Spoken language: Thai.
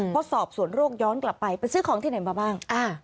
พอสอบสวนโรคย้อนกลับไปไปซื้อของที่ไหนมาบ้าง